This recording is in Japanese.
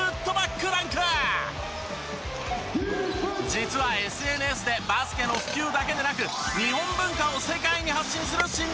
実はＳＮＳでバスケの普及だけでなく日本文化を世界に発信する親日家。